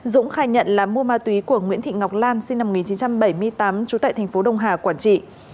dũng khai nhận là mua ma túy của nguyễn thị ngọc lan sinh năm một nghìn chín trăm bảy mươi tám trú tại thành phố đông hà quản trị